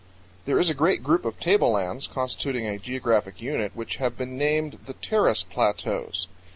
THERE is a great group of table lands constituting a geographic unit which have been named the Terrace Plateaus.